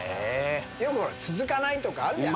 よく続かないとかあるじゃん。